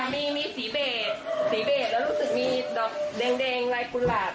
มีสีเบสสีเบสแล้วรู้สึกมีดอกแดงลายกุหลาบ